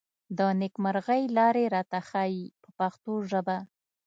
د نېکمرغۍ لارې راته ښيي په پښتو ژبه.